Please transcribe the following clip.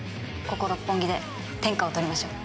ここ六本木で天下を取りましょう！